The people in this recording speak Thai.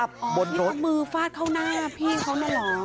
เอามือฟาดเข้าหน้าพี่เขาเนี่ยเหรอ